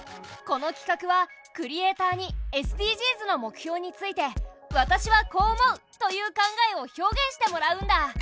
この企画はクリエーターにＳＤＧｓの目標について「私はこう思う！」という考えを表現してもらうんだ。